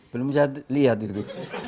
belum bisa lihat gitu